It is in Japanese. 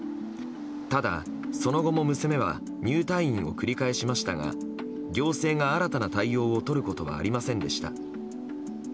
ただ、その後も娘は入退院を繰り返しましたが行政が新たな対応をとることはありませんでした。